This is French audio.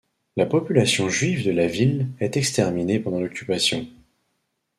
La population juive de la ville est exterminée pendant l'occupation.